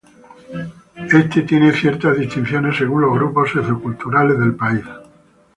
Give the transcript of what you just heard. Este tiene ciertas distinciones según los grupos socioculturales del país.